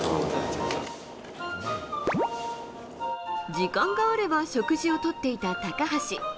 時間があれば食事をとっていた高橋。